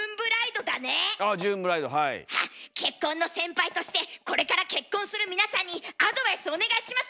あっ結婚の先輩としてこれから結婚する皆さんにアドバイスお願いします！